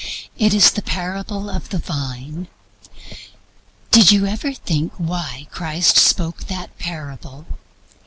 It is the parable of the Vine. Did you ever think why Christ spoke that parable?